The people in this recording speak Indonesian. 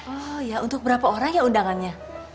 oh ya untuk berapa orang ya undangannya